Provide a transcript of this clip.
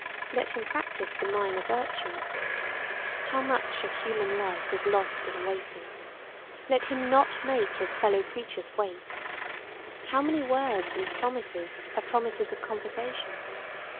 Let him practise the minor virtues. How much of human life is lost in waiting! let him not make his fellow creatures wait. How many words and promises are promises of conversation!